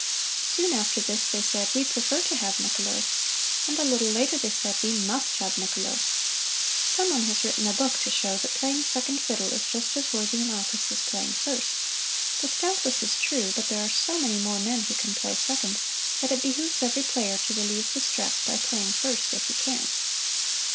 Soon after this they said, "We prefer to have Niccolo." And a little later they said, "We must have Niccolo." Some one has written a book to show that playing second fiddle is just as worthy an office as playing first. This doubtless is true, but there are so many more men who can play second, that it behooves every player to relieve the stress by playing first if he can.